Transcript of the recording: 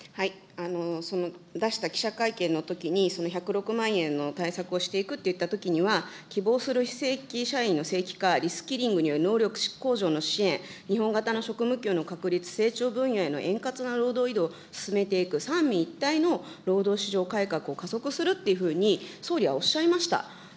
その出した記者会見のときに、１０６万円の対策をしていくと言ったときには、希望する非正規社員の正規化、リスキリングによる能力向上の支援、日本型の職務給の確立、成長分野への円滑な労働移動を進めていく三位一体の労働市場拡大を加速するというふうに総理はおっしゃいました。